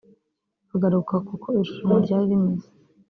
Agaruka kuko irushanwa ryari rimeze